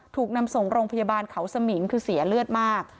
ถูกนำส่งโรงพยาบาลเขาสมิงคือเสียเลือดมาก